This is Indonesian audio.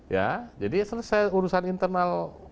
ya jadi selesai urusan internal